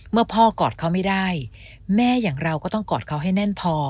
เมื่อพ่อกอดเขาไม่ได้แม่อย่างเราก็ต้องกอดเขาให้แน่นพอ